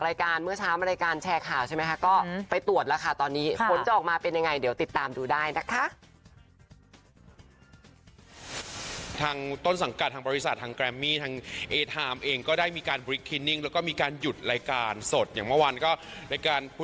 รายการเมื่อเช้ามารายการแชร์ข่าวใช่ไหมค่ะก็ไปตรวจแล้วค่ะ